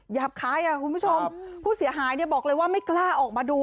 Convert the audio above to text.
ยับคล้ายคุณผู้ชมผู้เสียหายบอกเลยว่าไม่กล้าออกมาดู